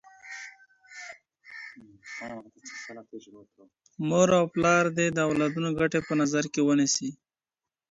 مور او پلار دي د اولادونو ګټي په نظر کي ونيسي.